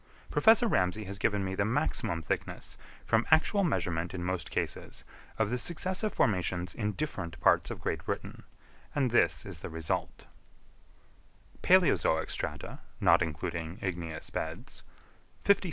Professor Ramsay has given me the maximum thickness, from actual measurement in most cases, of the successive formations in different parts of Great Britain; and this is the result:— Feet Palæozoic strata (not including igneous beds) 57,154.